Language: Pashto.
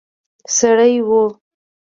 سړی وو.